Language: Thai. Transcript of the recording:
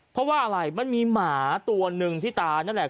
เพราะว่าอะไรมันมีหมาตัวหนึ่งที่ตายนั่นแหละ